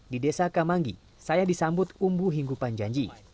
di desa kamangi saya disambut umbu hinggu panjanji